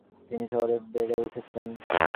তিনি শহরে বেড়ে উঠেছেন।